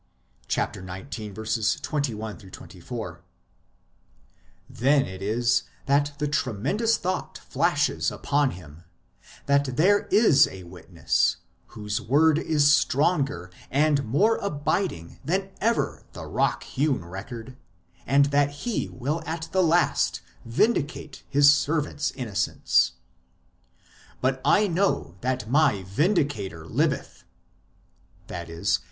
(xix. 21 24). 216 IMMORTALITY AND THE UNSEEN WORLD Then it is that the tremendous thought flashes upon him that there is a Witness whose word is stronger and more abiding than ever the rock hewn record; and that He will at the last vindicate His servant s innocence : But I know that my Vindicator liveth [i.e.